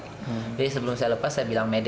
jadi sebelum saya lepas saya bilang mede